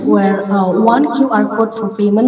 di mana satu kode qr untuk pembayaran